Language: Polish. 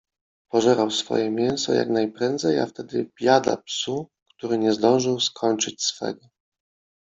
Pożerał swoje mięso jak najprędzej, a wtedy biada psu, który nie zdążył skończyć swego!